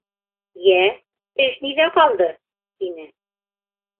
— Йә, эш ниҙә ҡалды? — тине.